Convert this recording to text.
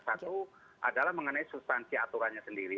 satu adalah mengenai substansi aturannya sendiri